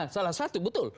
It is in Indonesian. salah satu betul